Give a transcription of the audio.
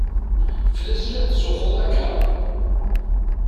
Fell-as i la tetzuxxuḍ akka?